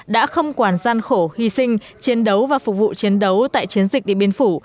đã không quản gian khổ hy sinh chiến đấu và phục vụ chiến đấu tại chiến dịch điện biên phủ